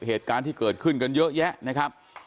เหตุการณ์ที่เกิดขึ้นกันเยอะแยะนะครับ